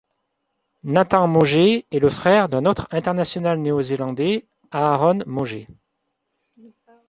Nathan Mauger est le frère d'un autre international néo-zélandais, Aaron Mauger.